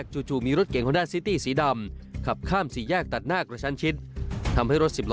ขึ้นครับ